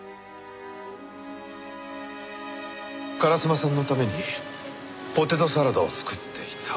烏丸さんのためにポテトサラダを作っていた。